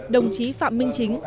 đồng chí phạm minh chính